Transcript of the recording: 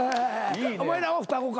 お前らも双子か。